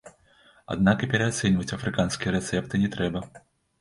Аднак і пераацэньваць афрыканскія рэцэпты не трэба.